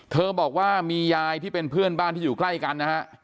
บอกว่ามียายที่เป็นเพื่อนบ้านที่อยู่ใกล้กันนะฮะ